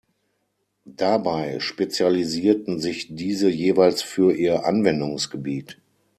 Dabei spezialisierten sich diese jeweils für ihr Anwendungsgebiet.